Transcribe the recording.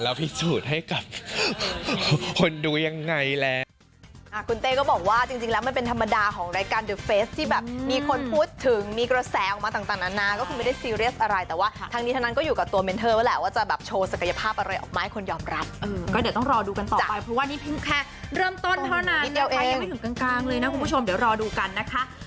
แล้วพิสูจน์ให้กับคนดูยังไงแหละ